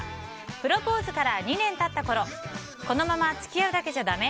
プロポーズから２年経ったころこのまま付き合うだけじゃだめ？